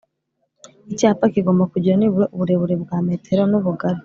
Icyapa kigomba kugira nibura uburebure bwa metero n ubugari